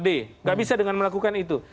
tidak bisa dengan melakukan itu